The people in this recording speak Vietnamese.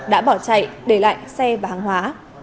đã bỏ chạy để lại xe và hàng hóa